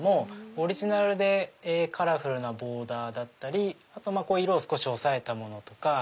オリジナルでカラフルなボーダーだったりあと色を少し抑えたものとか。